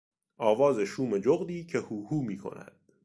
آواز شوم جغدی که هوهو میکند